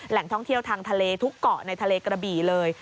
ท่องเที่ยวทางทะเลทุกเกาะในทะเลกระบี่เลย